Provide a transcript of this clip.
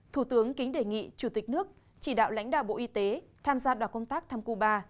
thủ tướng kính đề nghị chủ tịch nước chỉ đạo lãnh đạo bộ y tế tham gia đoàn công tác thăm cuba